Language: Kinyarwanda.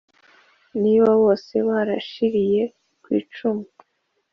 Niba bose barashiriye kw'icumu